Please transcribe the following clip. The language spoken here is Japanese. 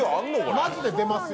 マジで出ますよ？